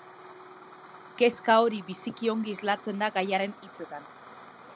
Kezka hori biziki ongi islatzen da gaiaren hitzetan.